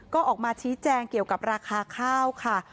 ก็ออกมาชี้แจงเกี่ยวกับราคาข้าวค่ะ